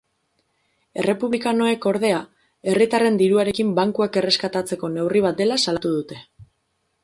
Errepublikanoek, ordea, herritarren diruarekin bankuak erreskatatzeko neurri bat dela salatu dute.